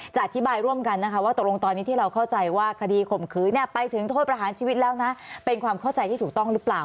อธิบายร่วมกันนะคะว่าตกลงตอนนี้ที่เราเข้าใจว่าคดีข่มขืนไปถึงโทษประหารชีวิตแล้วนะเป็นความเข้าใจที่ถูกต้องหรือเปล่า